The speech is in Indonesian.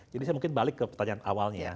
jadi saya mungkin balik ke pertanyaan awalnya ya